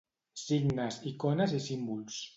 Signes, icones i símbols.